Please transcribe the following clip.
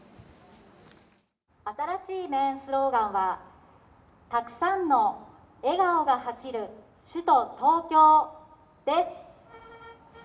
新しいスローガンは、たくさんの笑顔が走る首都東京です。